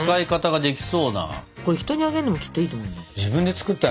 これ人にあげるのもきっといいと思うの。